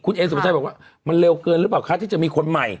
คุณเอสุภาชัยบอกว่ามันเร็วเกินหรือเปล่าคะที่จะมีคนใหม่